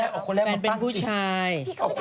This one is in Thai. ออกคนแรกมันเป็นผู้ชาย